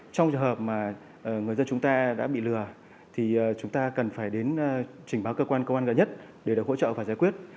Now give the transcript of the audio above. trong trường hợp mà người dân chúng ta đã bị lừa thì chúng ta cần phải đến trình báo cơ quan công an gần nhất để được hỗ trợ và giải quyết